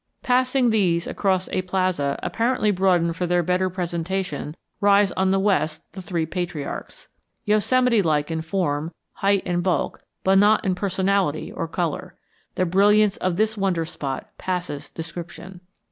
Passing these across a plaza apparently broadened for their better presentation rise on the west the Three Patriarchs, Yosemite like in form, height, and bulk, but not in personality or color. The brilliance of this wonder spot passes description.